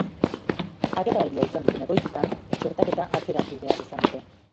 Agerraldia izan duten egoitzetan txertaketa atzeratu behar izan dute.